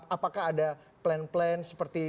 apakah ada plan plan seperti